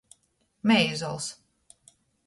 Meizols.